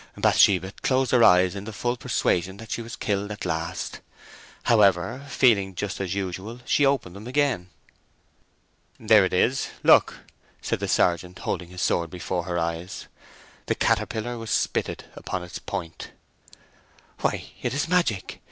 Bathsheba closed her eyes in the full persuasion that she was killed at last. However, feeling just as usual, she opened them again. "There it is, look," said the sergeant, holding his sword before her eyes. The caterpillar was spitted upon its point. "Why, it is magic!"